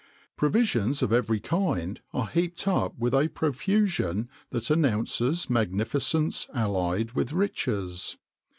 Provisions of every kind are heaped up with a profusion that announces magnificence allied with riches.